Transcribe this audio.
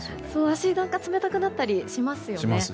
足が何か冷たくなったりしますよね。